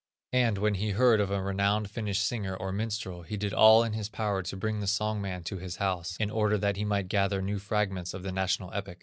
And, when he heard of a renowned Finnish singer, or minstrel, he did all in his power to bring the song man to his house, in order that he might gather new fragments of the national epic.